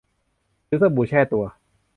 หรือสบู่แช่ตัว